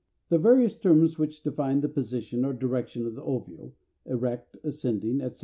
The various terms which define the position or direction of the ovule (erect, ascending, etc.)